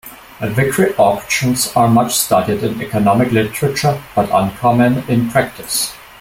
Vickrey auctions are much studied in economic literature but uncommon in practice.